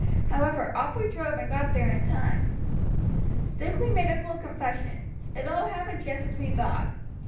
However, off we drove, and got there in time. "Stukeley made a full confession. It all happened just as we thought.